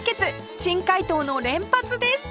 珍回答の連発です